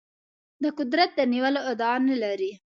د قدرت د نیولو ادعا نه لري.